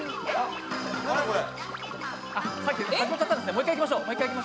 もう１回いきましょう。